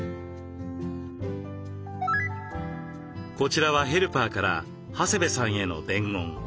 こちらはヘルパーから長谷部さんへの伝言。